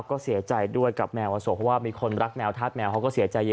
ก็เสียใจด้วยกับแมวอโศกเพราะว่ามีคนรักแมวธาตุแมวเขาก็เสียใจเยอะ